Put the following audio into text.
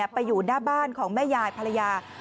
ไปอยู่หน้าบ้านของแม่ยายภรรยา